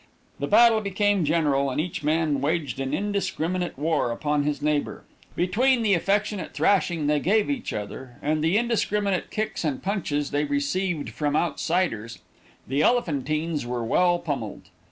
The battle became general, and each man waged an indiscriminate war upon his neighbor. Between the affectionate thrashing they gave each other, and the indiscriminate kicks and punches they received from outsiders, the Elephantines were well pommelled.